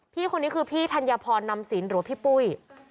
พี่คนนี้คือพี่ธัญพรนำสินหรือว่าพี่ปุ้ย